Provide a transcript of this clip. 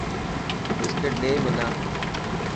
بسڪٽ ڏي حنا.